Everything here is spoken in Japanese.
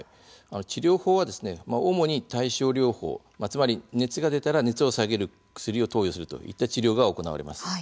治療法は、主に対症療法つまり熱が出たら熱を下げる薬を投与するといった治療が行われます。